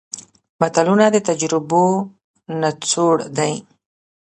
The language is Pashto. متلونه د تجربو نچوړ دی